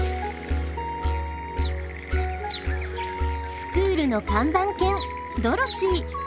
スクールの看板犬ドロシー。